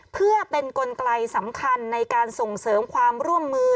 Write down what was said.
เพื่อเป็นกลไกสำคัญในการส่งเสริมความร่วมมือ